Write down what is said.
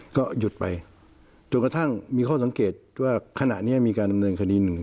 ก็หยุดไปจนกระทั่งมีข้อสังเกตว่าขณะนี้มีการดำเนินคดีหนึ่ง